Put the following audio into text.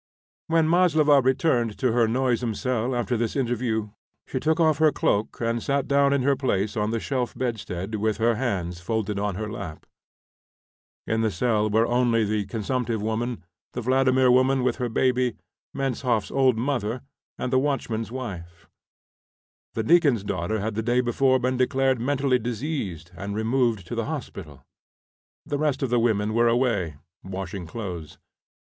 When Maslova returned to her noisome cell after this interview, she took off her cloak and sat down in her place on the shelf bedstead with her hands folded on her lap. In the cell were only the consumptive woman, the Vladimir woman with her baby, Menshoff's old mother, and the watchman's wife. The deacon's daughter had the day before been declared mentally diseased and removed to the hospital. The rest of the women were away, washing clothes.